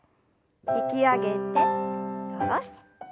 引き上げて下ろして。